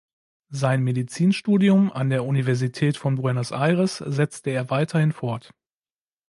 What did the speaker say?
Sein Medizinstudium an der Universität von Buenos Aires setzte er weiterhin fort.